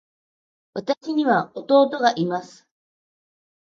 私には弟がいます。